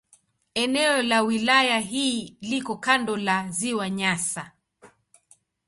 Eneo la wilaya hii liko kando la Ziwa Nyasa.